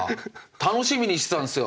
楽しみにしてたんですよ。